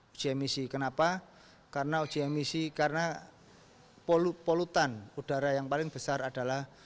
uji emisi kenapa karena uji emisi karena polutan udara yang paling besar adalah